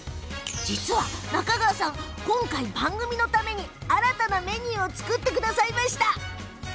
実は、中川さん今回番組のために新たなメニューを作ってくれました。